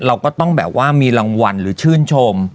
เราก็ต้องแบบว่ามีรางวัลหรือชื่นชม